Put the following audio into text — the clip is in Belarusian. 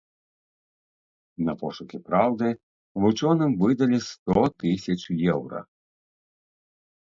На пошукі праўды вучоным выдалі сто тысяч еўра.